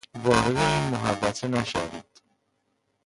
وارد این محوطه نشوید!